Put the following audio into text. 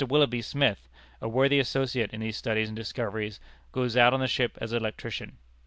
Willoughby Smith, a worthy associate in these studies and discoveries, goes out on the ship as electrician.